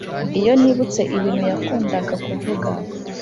iyo nibutse ibintu yakundaga kuvuga